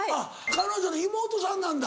彼女の妹さんなんだ。